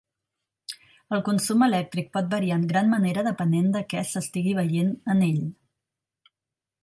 El consum elèctric pot variar en gran manera depenent de què s'estigui veient en ell.